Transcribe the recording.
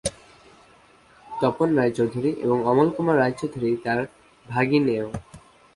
তপন রায়চৌধুরী এবং অমল কুমার রায়চৌধুরী তার ভাগিনেয়।